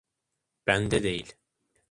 Bende değil.